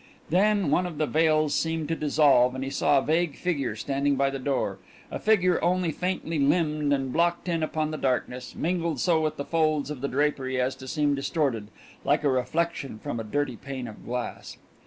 Then one of the veils seemed to dissolve, and he saw a vague figure standing by the door, a figure only faintly limned and blocked in upon the darkness, mingled so with the folds of the drapery as to seem distorted, like a reflection seen in a dirty pane of glass.